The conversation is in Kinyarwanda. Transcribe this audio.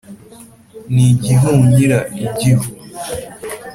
n'igihunyira, igihu,